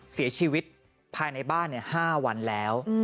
เสียชีวิตภายในบ้าน๕วันแล้ว